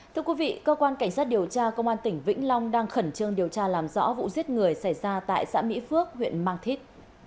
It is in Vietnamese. thưa quý vị cơ quan cảnh sát điều tra công an tỉnh vĩnh long đang khẩn trương điều tra làm rõ vụ giết người xảy ra tại xã mỹ phước huyện mang thít